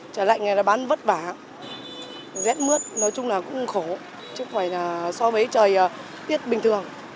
trời lạnh này là bán vất vả rét mướt nói chung là cũng khổ chứ không phải là so với thời tiết bình thường